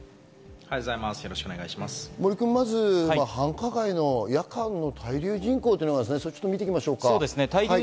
まず繁華街の夜間の滞留人口を見ていきましょうか。